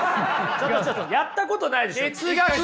ちょっとちょっとやったことないでしょ！